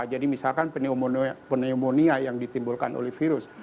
jadi misalkan pneumonia yang ditimbulkan oleh virus